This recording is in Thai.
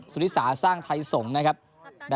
สุฤษาสร้างไทยสมนะครับ